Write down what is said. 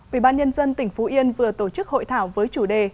ủy ban nhân dân tỉnh phú yên vừa tổ chức hội thảo với chủ đề